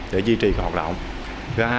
để duy trì hoạt động